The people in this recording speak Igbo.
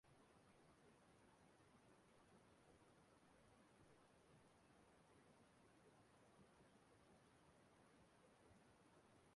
O sonye n’ime ihe nkiri Nollywood karịrị iri asaa.